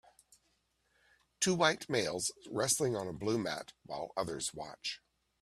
Two white males wrestling on a blue mat while others watch